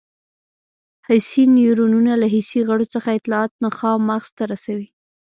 حسي نیورونونه له حسي غړو څخه اطلاعات نخاع او مغز ته رسوي.